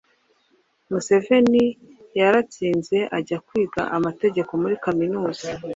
Museveni yaratsinze ajya kwiga Amategeko muri Kaminuza